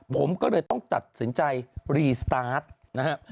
ผมก็เลยต้องตัดสินใจรีสตาร์ทนะครับ